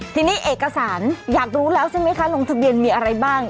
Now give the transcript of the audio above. ทีนี้เอกสารอยากรู้แล้วใช่ไหมคะลงทะเบียนมีอะไรบ้าง